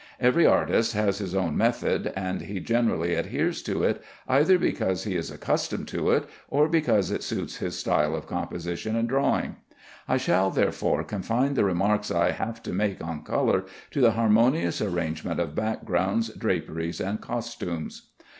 Every artist has his own method, and he generally adheres to it, either because he is accustomed to it, or because it suits his style of composition and drawing. I shall therefore confine the remarks I have to make on color to the harmonious arrangement of backgrounds, draperies, and costumes.